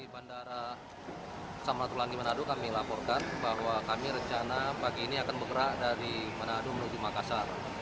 bandara samratulangi manado kami laporkan bahwa kami rencana pagi ini akan bergerak dari manado menuju makassar